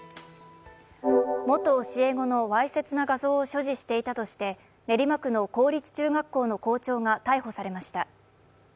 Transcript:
元教え子のわいせつな画像を所持していたとして練馬区の公立中学校の校長が逮捕されました。